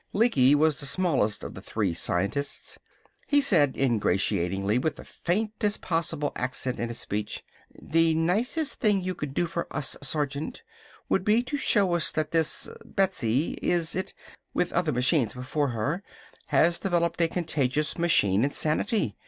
Lecky was the smallest of the three scientists. He said ingratiatingly, with the faintest possible accent in his speech: "The nicest thing you could do for us, Sergeant, would be to show us that this Betsy, is it? with other machines before her, has developed a contagious machine insanity.